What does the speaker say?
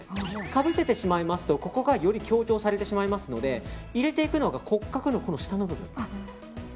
かぶせてしまいますとここが強調されてしまいますので入れていくのが骨格の下の部分。